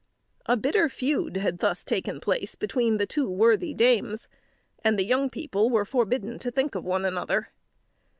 A bitter feud had thus taken place between the two worthy dames, and the young people were forbidden to think of one another.